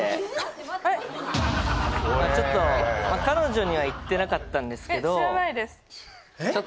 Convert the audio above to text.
おいちょっと彼女には言ってなかったんですけどえっ